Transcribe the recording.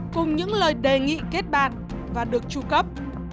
cùng những lời đề nghị kết bạn và được tru cấp